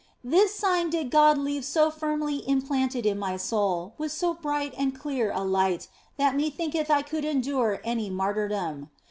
This sign did God leave so firmly implanted in my soul, with so bright and clear a light, that methinketh I could endure any martyrdom.